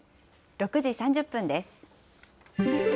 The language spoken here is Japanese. ６時３０分です。